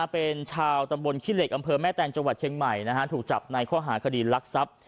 เป็นชาวตำบลขี้เหล็กอำเภอแม่แตงจังหวัดเชียงใหม่ถูกจับในข้อหาคดีรักทรัพย์